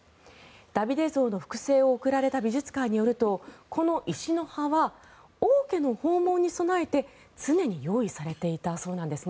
ダビデ像の複製を贈られた美術館によるとこの石の葉は王家の訪問に備えて常に用意されていたそうなんです